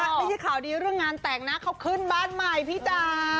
ไม่ใช่ข่าวดีเรื่องงานแต่งนะเขาขึ้นบ้านใหม่พี่จ๋า